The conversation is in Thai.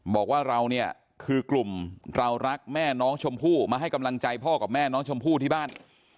บอกว่าเราเนี่ยคือกลุ่มเรารักแม่น้องชมพู่มาให้กำลังใจพ่อกับแม่น้องชมพู่ที่บ้าน